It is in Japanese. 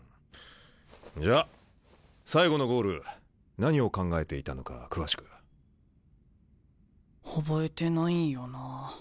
んじゃ最後のゴール何を考えていたのか詳しく。覚えてないんよなあ。